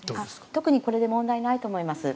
特にこれで問題ないと思います。